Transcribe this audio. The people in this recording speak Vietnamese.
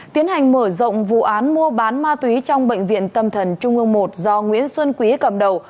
tiến hành mở rộng vụ án mua bán ma túy trong bệnh viện tâm thần trung ương một do nguyễn xuân quý cầm đầu